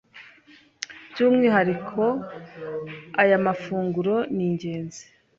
By’umwihariko aya mafunguro ni ingenzi